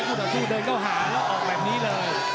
ต่อสู้เดินเข้าหาแล้วออกแบบนี้เลย